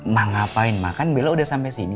ma ngapain ma kan bella udah sampai sini